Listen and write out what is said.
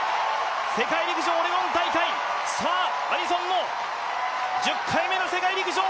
世界陸上オレゴン大会アリソンの１０回目の世界陸上。